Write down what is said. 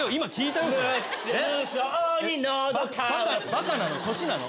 バカなの？